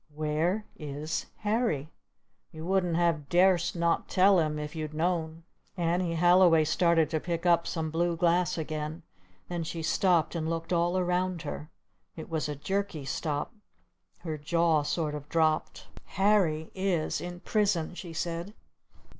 "Where is Harry? You wouldn't have dar'st not tell him if you'd known." Annie Halliway started to pick up some blue glass again. Then she stopped and looked all around her. It was a jerky stop. Her jaw sort of dropped. "Harry is in prison!" she said.